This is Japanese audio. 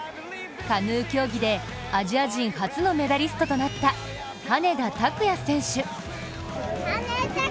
カヌー競技でアジア人初のメダリストとなった羽根田卓也選手。